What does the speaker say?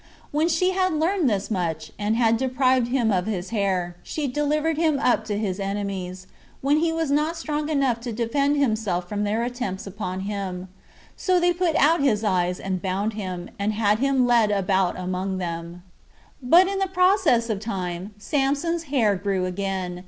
When she had learned thus much, and had deprived him of his hair, she delivered him up to his enemies, when he was not strong enough to defend himself from their attempts upon him; so they put out his eyes, and bound him, and had him led about among them. 12. But in process of time Samson's hair grew again.